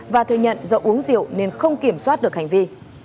và thừa nhận do uống rượu nên không kiểm soát được hành vi